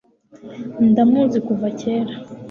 ndamuzi kuva kera